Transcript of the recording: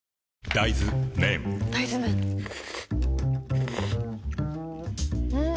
大豆麺ん？